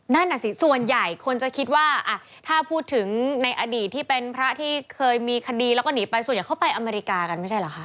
นั่นน่ะสิส่วนใหญ่คนจะคิดว่าถ้าพูดถึงในอดีตที่เป็นพระที่เคยมีคดีแล้วก็หนีไปส่วนใหญ่เข้าไปอเมริกากันไม่ใช่เหรอคะ